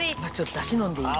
だし飲んでいい？